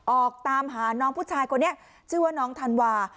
ออกตามหาน้องผู้ชายคนนี้ชื่อว่าน้องธันวา